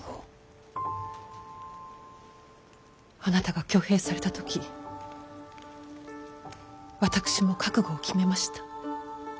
あなたが挙兵された時私も覚悟を決めました。